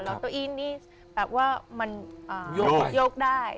แล้วเก้าอี้นี่แบบว่ามันโยกได้